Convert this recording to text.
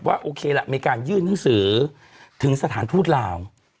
ว่าโอเคละไม่การยื่นหนังสือถึงสถานพูดเหล่า